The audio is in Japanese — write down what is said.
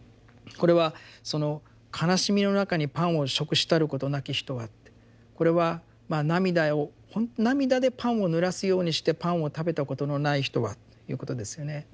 これはその「悲しみのなかにパンを食したることなき人は」ってこれは「涙でパンをぬらすようにしてパンを食べたことのない人は」ということですよね。